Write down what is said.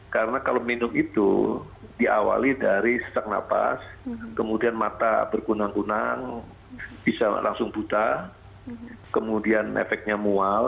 karena kalau minum itu diawali dari setak napas kemudian mata berkunang kunang bisa langsung buta kemudian efeknya mual